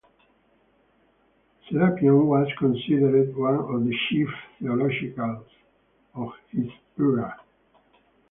Serapion was considered one of the chief theologians of his era.